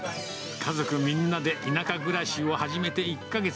家族みんなで田舎暮らしを始めて１か月。